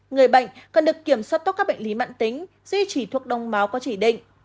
người bệnh cần được kiểm soát tốt các bệnh lý mạng tính duy trì thuốc đông máu có chỉ định